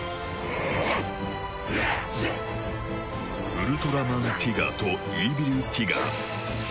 ウルトラマンティガとイーヴィルティガ。